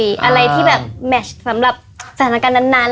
อันนี้คืออะไรที่แบบเมชสำหรับสถานการณ์นั้น